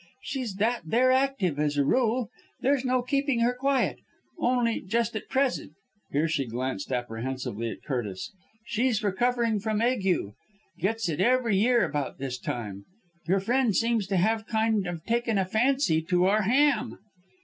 She's that there active as a rule, there's no keeping her quiet only just at present" here she glanced apprehensively at Curtis "she's recovering from ague. Gets it every year about this time. Your friend seems to have kind of taken a fancy to our ham!"